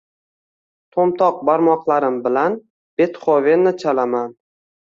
To’mtoq barmoqlarim bilan Betxovenni chalaman